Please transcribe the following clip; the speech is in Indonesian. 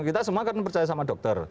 kita semua kan percaya sama dokter